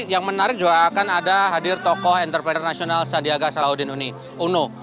yang menarik juga akan ada hadir tokoh entrepreneur nasional sandiaga salahuddin uno